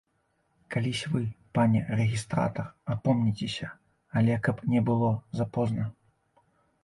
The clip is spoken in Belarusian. Калісь вы, пане рэгістратар, апомніцеся, але каб не было запозна.